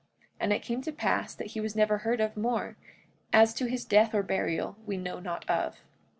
And it came to pass that he was never heard of more; as to his death or burial we know not of.